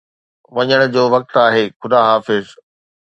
وڃڻ جو وقت آهي، خدا حافظ